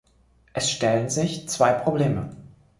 Es stellen sich zwei Probleme.